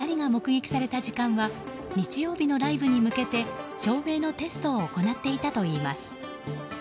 日産スタジアムに聞くと光が目撃された時間は日曜日のライブに向けて照明のテストを行っていたといいます。